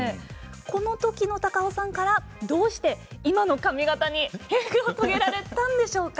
この時の高尾さんからどうして今の髪形に変化を遂げられたんでしょうか。